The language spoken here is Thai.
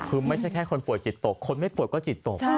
คือไม่ใช่แค่คนป่วยจิตตกคนไม่ป่วยก็จิตตก